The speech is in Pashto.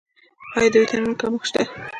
آیا د ویټامینونو کمښت شته؟